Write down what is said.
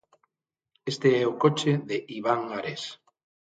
Este é o coche de Iván Ares.